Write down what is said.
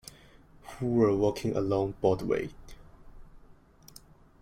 Who were walking along Broadway.